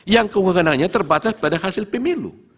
yang kewenangannya terbatas pada hasil pemilu